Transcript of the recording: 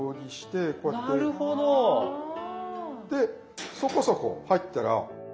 なるほど！でそこそこ入ったら。